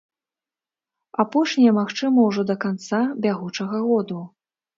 Апошняе магчыма ўжо да канца бягучага году.